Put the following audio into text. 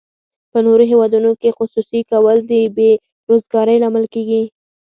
په نورو هیوادونو کې خصوصي کول د بې روزګارۍ لامل کیږي.